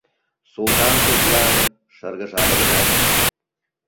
Султан тудлан шыргыжале гына.